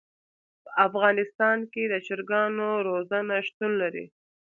په افغانستان کې د چرګانو روزنه شتون لري.